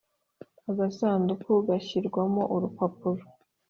agasanduku gashyirwamo urupapuro